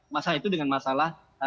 masalah itu dengan masalah